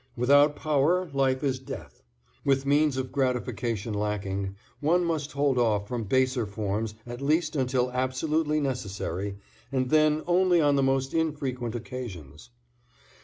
Without power life is death. With means of gratification lacking, one must hold off from baser forms at least until absolutely necessary, and then only on the most infrequent occasions.